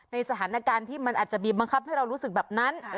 ในสถานการณ์ที่มันอาจจะบีบบังคับให้เรารู้สึกแบบนั้น